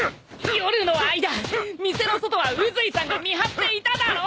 夜の間店の外は宇髄さんが見張っていただろ！